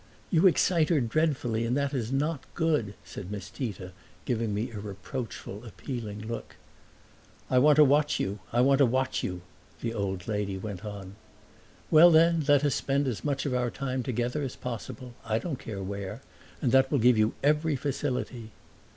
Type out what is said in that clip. "You excite her dreadfully and that is not good," said Miss Tita, giving me a reproachful, appealing look. "I want to watch you I want to watch you!" the old lady went on. "Well then, let us spend as much of our time together as possible I don't care where and that will give you every facility."